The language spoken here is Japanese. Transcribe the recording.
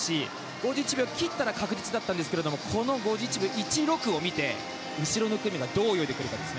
５１秒を切ったら確実だったんですが５１秒１６を見て後ろの組がどう泳ぐかです。